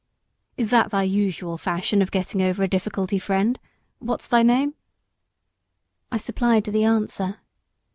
"Is that thy usual fashion of getting over a difficulty, friend what's thy name?" I supplied the answer.